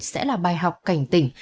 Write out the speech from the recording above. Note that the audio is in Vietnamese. sẽ là bài học cảnh tỉnh